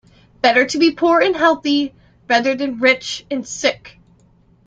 Better to be poor and healthy rather than rich and sick.